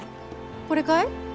これかい？